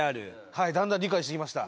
はいだんだん理解してきました。